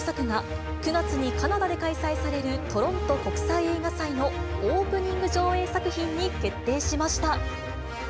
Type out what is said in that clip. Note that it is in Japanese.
そんな話題作が、９月にカナダで開催されるトロント国際映画祭のオープニング上映作品に決定しました。